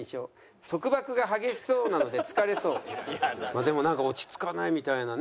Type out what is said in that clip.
でもなんか「落ち着かない」みたいなね。